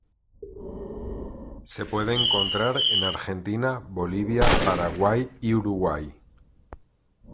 Se puede encontrar en Argentina, Bolivia, Paraguay y Uruguay.